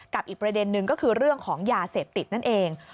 อีกประเด็นนึงก็คือเรื่องของยาเสพติดนั่นเอง